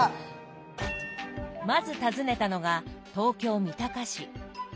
まず訪ねたのが東京・三鷹市。